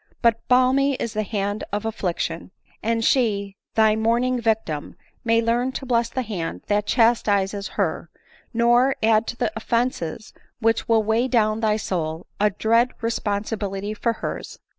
But balmy is the hand of affliction; and die, thy mourning victim, may learn to bless the hand that chastises her, nor add to the offences which will weigh down thy soul, a dread responsibility for hers!"